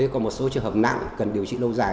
còn một số trường hợp nặng cần điều trị lâu dài